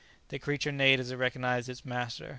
The creature neighed as it recognized its master.